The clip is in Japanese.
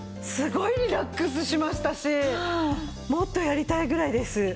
すごいリラックスしましたしもっとやりたいぐらいです。